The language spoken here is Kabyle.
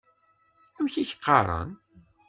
Amek i k-qqaren?